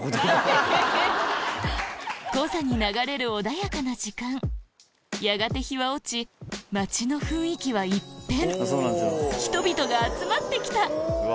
コザに流れる穏やかな時間やがて日は落ち街の雰囲気は一変人々が集まってきた